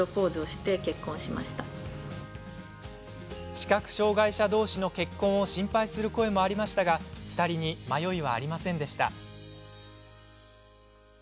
視覚障がい者どうしの結婚を心配する声もありましたが２人に迷いはありませんでした。